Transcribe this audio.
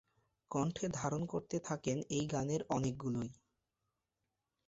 কণ্ঠে ধারণ করতে থাকেন এই গানের অনেকগুলোই।